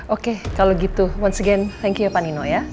oke kalau gitu once again thank you ya panino ya